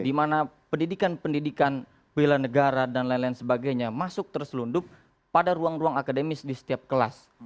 di mana pendidikan pendidikan bela negara dan lain lain sebagainya masuk terselundup pada ruang ruang akademis di setiap kelas